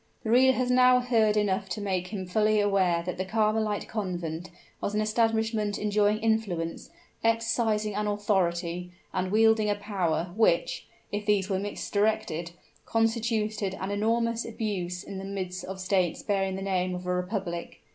The reader has now heard enough to make him fully aware that the Carmelite Convent was an establishment enjoying influence, exercising an authority, and wielding a power, which if these were misdirected constituted an enormous abuse in the midst of states bearing the name of a republic.